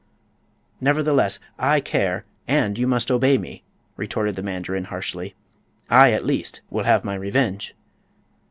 "Nevertheless, I care! and you must obey me," retorted the mandarin, harshly. "I, at least, will have my revenge."